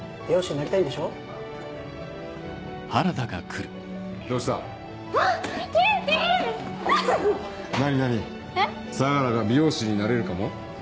なになに相良が美容師になれるかも？